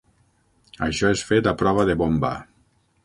Això és fet a prova de bomba.